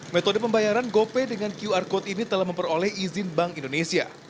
metode pembayaran gopay dengan qr code ini telah memperoleh izin bank indonesia